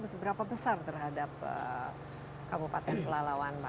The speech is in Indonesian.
seberapa besar terhadap kabupaten pelalawan pak